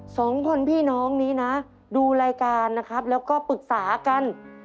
สองคนพี่น้องนี้นะดูรายการนะครับแล้วก็ปรึกษากัน